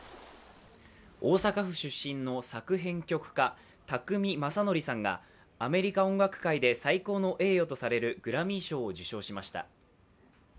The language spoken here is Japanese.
大阪府出身の作編曲家、宅見将典さんがアメリカ音楽界で最高の栄誉とされるグラミー賞を受賞しました。